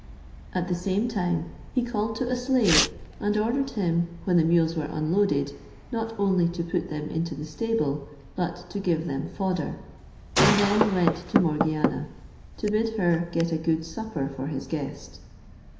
At the same time he called to a slave, and ordered him, when the mules were unloaded, not only to put them into the stable, but to give them fodder; and then went to Morgiana, to bid her get a good supper for his guest.